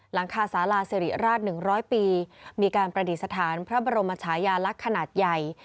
หลังคาสาราสิริราช๑๐๐ปีมีการประดิษฐานพระบรมชายาลักษณ์ขนาดใหญ่